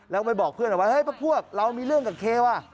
แล้วไปบอกเพื่อนว่าเฮ้ยพวกเรามีเรื่องกับเคว่ะ